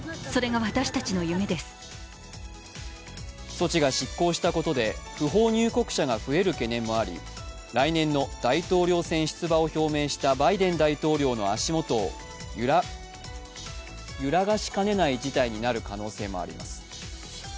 措置が失効したことで不法入国者が増える懸念もあり、来年の大統領選出馬を表明したバイデン大統領の足元を揺るがしかねない事態になる可能性もあります。